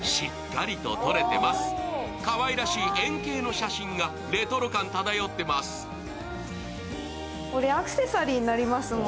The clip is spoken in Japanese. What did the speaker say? かわいらしい円形の写真がレトロ感漂ってます。